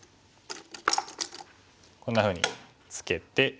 こんなふうにツケて。